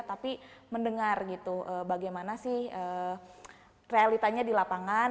tapi mendengar gitu bagaimana sih realitanya di lapangan